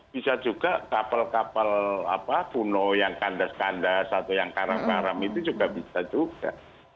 bisa juga kapal kapal kuno yang kandas kandas atau yang karam karam itu juga bisa juga